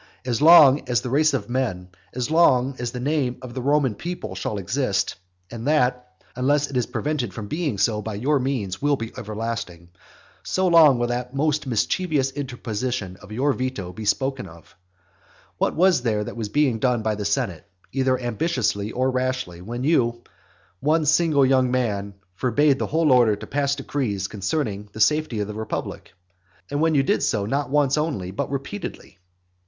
As long as the race of men, as long as the name of the Roman people shall exist, (and that, unless it is prevented from being so by your means, will be everlasting,) so long will that most mischievous interposition of your veto be spoken of. What was there that was being done by the senate either ambitiously or rashly, when you, one single young man, forbade the whole order to pass decrees concerning the safety of the republic? and when you did so, not once only, but repeatedly?